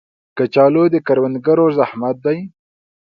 کچالو د کروندګرو زحمت دی